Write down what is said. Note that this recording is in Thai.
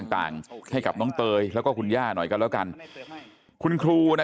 ต่างให้กับน้องเตยแล้วก็คุณย่าหน่อยกันแล้วกันคุณครูนะ